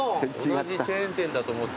同じチェーン店だと思ったら。